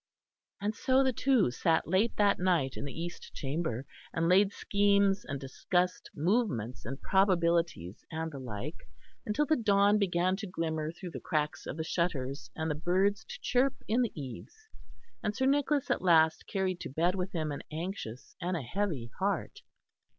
And so the two sat late that night in the East Chamber; and laid schemes and discussed movements and probabilities and the like, until the dawn began to glimmer through the cracks of the shutters and the birds to chirp in the eaves; and Sir Nicholas at last carried to bed with him an anxious and a heavy heart.